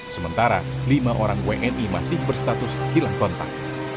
sementara lima orang wni masih berstatus hilang kontak